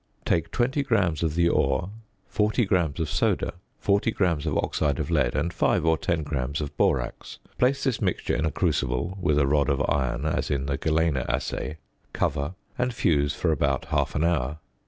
Take 20 grams of the ore, 40 grams of "soda," 40 grams of oxide of lead, and 5 or 10 grams of borax; place this mixture in a crucible (with a rod of iron, as in the galena assay), cover, and fuse for about half an hour.